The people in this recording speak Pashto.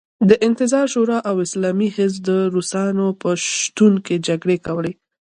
د نظار شورا او اسلامي حزب د روسانو په شتون کې جګړې کولې.